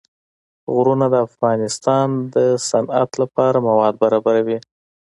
غرونه د افغانستان د صنعت لپاره مواد برابروي.